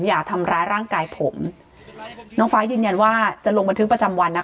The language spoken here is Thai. อย่าทำร้ายร่างกายผมน้องฟ้ายืนยันว่าจะลงบันทึกประจำวันนะคะ